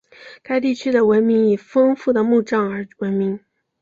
该地区的文明以丰富的墓葬而闻名。